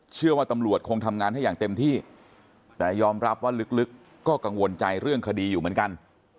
เชื่อว่าตำรวจคงทำงานให้อย่างเต็มที่แต่ยอมรับว่าลึกก็กังวลใจเรื่องคดีอยู่เหมือนกัน